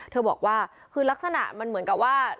เธอบอกว่าคือลักษณะมันเหมือนกับว่า